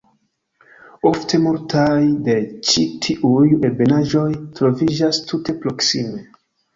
Ofte multaj de ĉi tiuj ebenaĵoj troviĝas tute proksime.